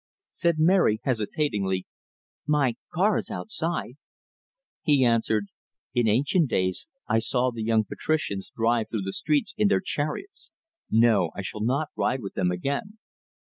Said Mary, hesitatingly: "My car is outside " He answered: "In ancient days I saw the young patricians drive through the streets in their chariots; no, I shall not ride with them again."